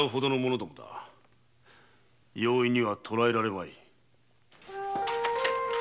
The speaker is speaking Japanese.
容易には捕らえられまい。